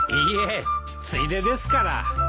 いえついでですから。